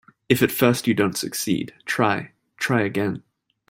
If at first you don't succeed, try, try again.